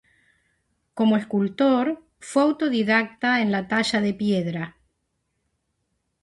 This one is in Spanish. Como escultor, fue autodidacta en la talla de piedra.